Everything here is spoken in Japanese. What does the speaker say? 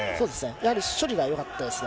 やはり処理がよかったですね。